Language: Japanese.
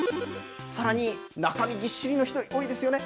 さらに中身ぎっしりの人、多いですよね。